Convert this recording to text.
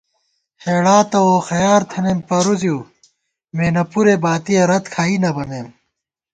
ہېڑا تہ ووخیار تھنئیم پرُوزِیؤ ، مېنہ پُرے باتِیہ رت کھائی نہ بَمېم